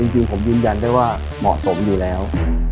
จริงผมยืนยันได้ว่าเหมาะสมอยู่แล้ว